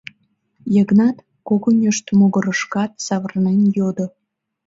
— Йыгнат когыньышт могырышкат савырнен йодо.